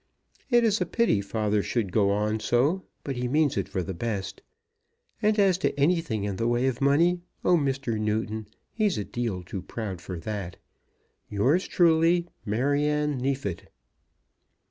It's a pity father should go on so, but he means it for the best. And as to anything in the way of money, oh, Mr. Newton, he's a deal too proud for that. Yours truly, MARYANNE NEEFIT.